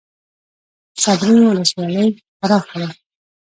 صبریو ولسوالۍ پراخه ده؟